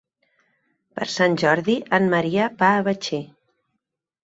Per Sant Jordi en Maria va a Betxí.